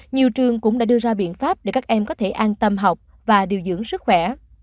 nhiều trường cũng đã đưa ra biện pháp để các em có thể an tâm học và điều dưỡng sức khỏe